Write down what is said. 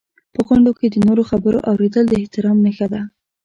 په غونډو کې د نورو خبرو اورېدل د احترام نښه ده.